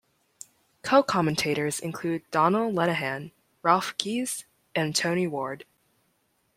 Co-commentators include Donal Lenihan, Ralph Keyes and Tony Ward.